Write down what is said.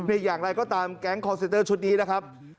อย่างไรก็ตามแก๊งคอร์เซนเตอร์ชุดนี้นะครับ